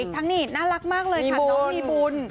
อีกทั้งนี่น่ารักมากเลยมีบุญ